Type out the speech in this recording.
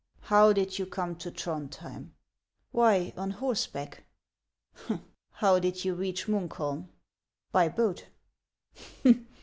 " How did you come to Trondhjem?" " Why, on horseback." " How did you reach Munkholm ?"" By boat."